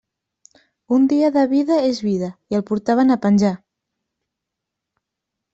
Un dia de vida és vida; i el portaven a penjar.